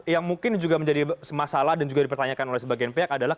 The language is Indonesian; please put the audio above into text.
yang mungkin juga menjadi masalah dan juga dipertanyakan oleh sebagian pihak adalah